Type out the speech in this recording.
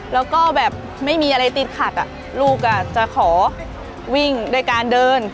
แล้วก็แบบไม่มีอะไรติดขัดลูกจะขอวิ่งด้วยการเดิน